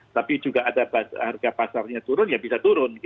tapi juga ada harga pasarnya turun ya bisa turun